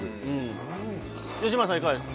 吉村さん、いかがですか。